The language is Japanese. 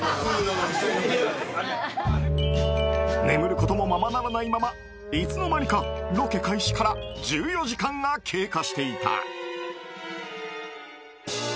眠ることもままならないままいつの間にかロケ開始から１４時間が経過していた。